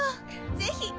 ぜひ。